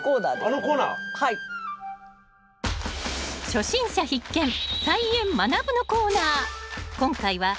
初心者必見「菜園×まなぶ」のコーナー。